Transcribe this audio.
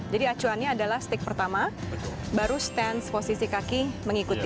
jadi acuannya adalah stick pertama baru stance posisi kaki mengikuti